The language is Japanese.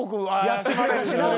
やってくれたしな。